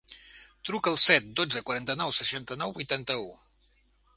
Truca al set, dotze, quaranta-nou, seixanta-nou, vuitanta-u.